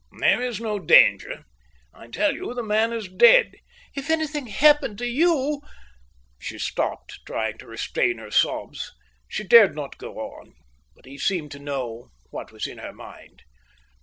"There is no danger. I tell you the man is dead." "If anything happened to you …" She stopped, trying to restrain her sobs; she dared not go on. But he seemed to know what was in her mind.